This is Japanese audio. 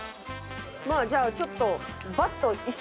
まあじゃあちょっと。